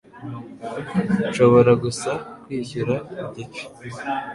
Nshobora gusa kwishyura igice